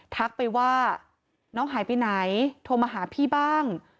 ทักไปว่าน้องหายไปไหนโทรมาหาพี่บ้าง